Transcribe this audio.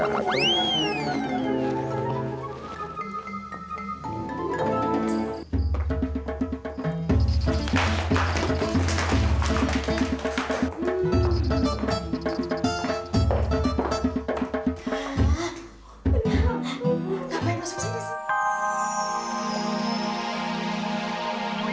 mama kayaknya nggak ada bantuan